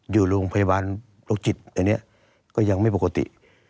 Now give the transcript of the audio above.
อยู่ลงโพยาบาลรกจิตอย่างเนี้ยก็ยังไม่ปกติ